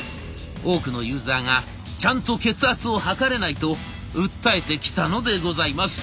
多くのユーザーが「ちゃんと血圧を測れない」と訴えてきたのでございます。